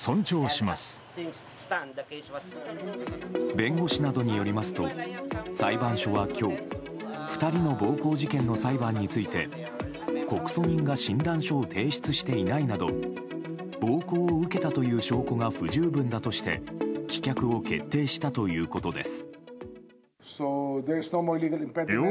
弁護士などによりますと裁判所は今日２人の暴行事件の裁判について告訴人が診断書を提出していないなど暴行を受けたという証拠が不十分だとして棄却を決定したということです。